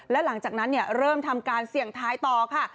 และหลังจากนั้นเริ่มทำการเสี่ยงท้ายต่อค่ะ